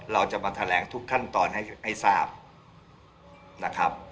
เราจะมาแถลงทุกขั้นตอนให้ทราบนะครับ